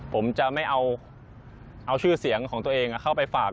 ผมจะไม่เอาชื่อเสียงของตัวเองเข้าไปฝาก